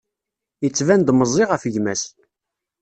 Yettban-d meẓẓi ɣef gma-s.